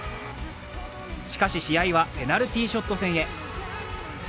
しかし、試合はペナルティーショット戦へ。